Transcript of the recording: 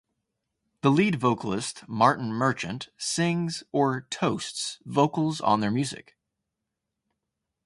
The lead vocalist Martin Merchant sings or 'toasts' vocals on their music.